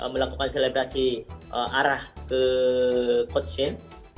melakukan selebasi arah ke coach shin